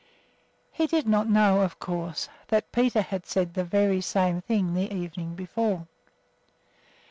He did not know, of course, that Peter had said the very same thing the evening before.